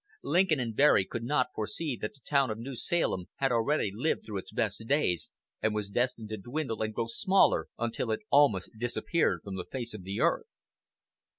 Lincoln and Berry could not foresee that the town of New Salem had already lived through its best days, and was destined to dwindle and grow smaller until it almost disappeared from the face of the earth.